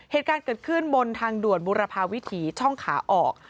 เหตุการณ์เกิดขึ้นบนทางด่วนบุรพาวิถีช่องขาออก